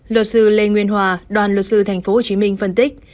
luật sư lê nguyên hòa đoàn luật sư tp hcm phân tích